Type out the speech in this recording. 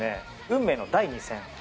運命の第２戦。